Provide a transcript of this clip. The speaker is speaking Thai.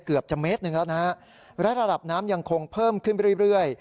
เกือบจะเมตรหนึ่งแล้วนะฮะและระดับน้ำยังคงเพิ่มขึ้นไปเรื่อยเรื่อย